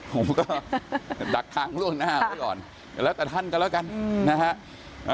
ผมก็ดักทางล่วงหน้าไว้ก่อนแล้วแต่ท่านก็แล้วกันนะฮะ